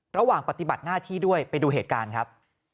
ระหว่างปฏิบัติหน้าที่ด้วยไปดูเหตุการณ์ครับ